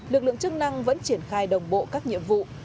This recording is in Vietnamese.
lực lượng chức năng vẫn triển khai đồng bộ các nhiệm vụ